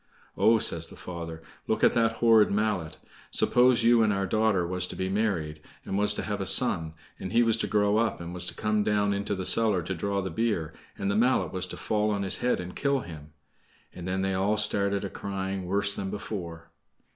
"Oh!" says the father, "look at that horrid mallet! Suppose you and our daughter was to be married, and was to have a son, and he was to grow up, and was to come down into the cellar to draw the beer, and the mallet was to fall on his head and kill him!" And then they all started a crying worse than before.